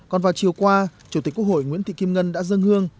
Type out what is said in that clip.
còn vào chiều qua chủ tịch quốc hội nguyễn thị kim ngân đã dân hương